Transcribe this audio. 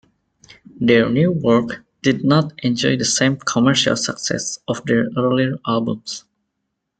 Their new work did not enjoy the same commercial success of their earlier albums.